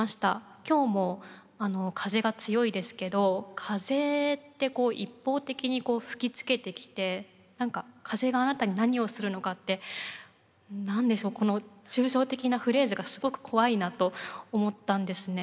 今日も風が強いですけど風って一方的に吹きつけてきて何か「風があなたに何をするのか」って何でしょうこの抽象的なフレーズがすごく怖いなと思ったんですね。